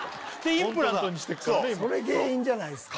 今それ原因じゃないですか？